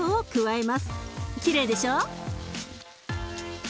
きれいでしょ？